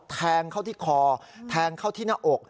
แทงเข้าที่คอแทงเข้าที่หน้าอก